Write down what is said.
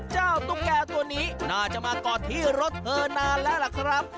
ตุ๊กแก่ตัวนี้น่าจะมากอดที่รถเธอนานแล้วล่ะครับ